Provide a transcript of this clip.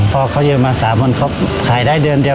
พอเขายืมมา๓วันเขาขายได้เดือนเดียว